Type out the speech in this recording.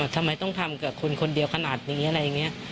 ทำไมต้องทำกับคนคนเดียวขนาดนี้อะไรอย่างนี้